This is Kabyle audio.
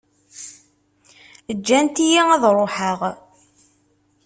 Ǧǧant-iyi ad ruḥeɣ.